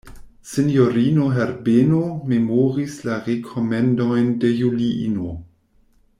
Sinjorino Herbeno memoris la rekomendojn de Juliino.